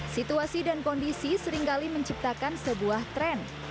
situasi dan kondisi seringkali menciptakan sebuah tren